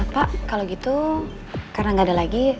pak kalau gitu karena nggak ada lagi